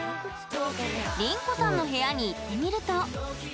りんこさんの部屋に行ってみると。